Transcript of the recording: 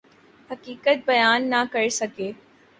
حقیقت بیان نہ کر سکے۔